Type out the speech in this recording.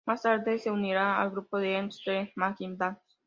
Más tarde se uniría al grupo de Beefheart, The Magic Band.